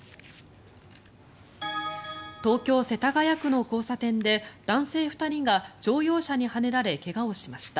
東京・世田谷区の交差点で男性２人が乗用車にはねられ怪我をしました。